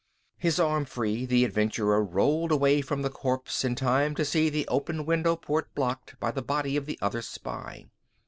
His arm free, the adventurer rolled away from the corpse in time to see the open window port blocked by the body of the other spy.